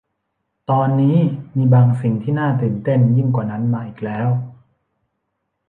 ตอนนี้มีบางสิ่งที่น่าตื่นเต้นยิ่งกว่านั้นมาอีกแล้ว